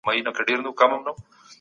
د ډاکتر چلند باید نرم وي.